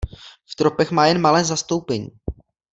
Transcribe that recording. V tropech má jen malé zastoupení.